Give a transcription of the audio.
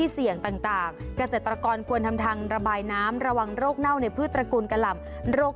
เสี่ยงต่างเกษตรกรควรทำทางระบายน้ำระวังโรคเน่าในพืชตระกูลกะหล่ำโรค